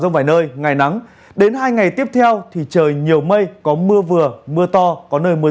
vài nơi ngày nắng đến hai ngày tiếp theo thì trời nhiều mây có mưa vừa mưa to có nơi mưa